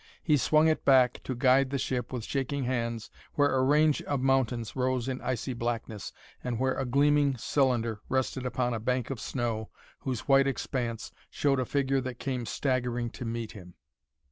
He swung it back, to guide the ship with shaking hands where a range of mountains rose in icy blackness, and where a gleaming cylinder rested upon a bank of snow whose white expanse showed a figure that came staggering to meet him.